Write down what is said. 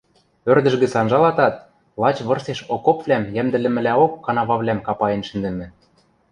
Ӧрдӹж гӹц анжалатат, лач вырсеш окопвлӓм йӓмдӹлӹмӹлӓок канававлӓм капаен шӹндӹмӹ.